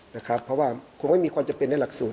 เพราะว่าคงไม่มีความจำเป็นในหลักศูน